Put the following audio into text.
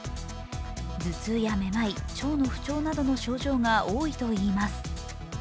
頭痛やめまい、腸の不調などの症状が多いといいます。